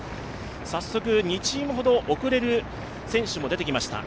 早速２チームほど遅れる選手も出てきました。